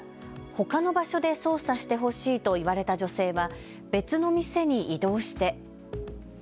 ほかの場所で操作してほしいと言われた女性は別の店に移動して。